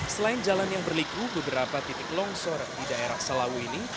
selain jalan yang berliku beberapa titik longsor di daerah salawu ini